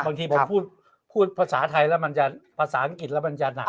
บางทีผมพูดภาษาไทยแล้วมันจะภาษาอังกฤษแล้วมันจะหนัก